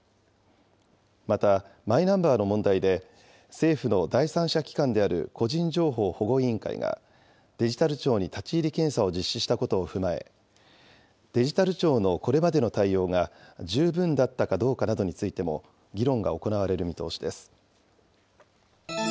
また、マイナンバーの問題で、政府の第三者機関である個人情報保護委員会が、デジタル庁に立ち入り検査を実施したことを踏まえ、デジタル庁のこれまでの対応が十分だったかどうかなどについても、議論が行われる見通しです。